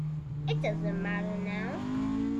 It doesn't matter now.